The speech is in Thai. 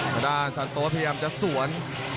ทางด้านซานโต๊พยายามจะสวน